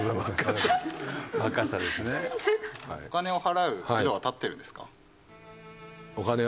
お金を払うめどは立ってるんですか？